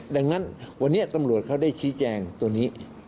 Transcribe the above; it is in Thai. ดังนั้นวันนี้ตำรวจเขาได้ชี้แจงตัวนี้